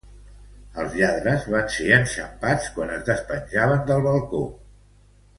Els lladres van ser enxampats quan es despenjaven del balcó